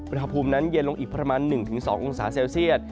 อุณหภูมินั้นเย็นลงอีกประมาณ๑๒องศาเซลเซียต